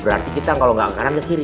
berarti kita kalau nggak kanan ke kiri